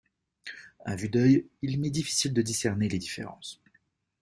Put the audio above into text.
À vue d’œil, il m’est difficile de discerner les différences.